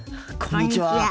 こんにちは。